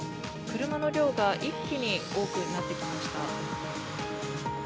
車の量が一気に多くなってきました。